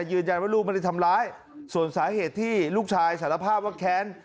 ยืนยันว่าลูกไม่ได้ทำร้ายส่วนสาเหตุที่ลูกชายสารภาพว่าแค้น